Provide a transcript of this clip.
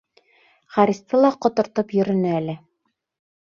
Харисты ла ҡотортоп йөрөнө әле.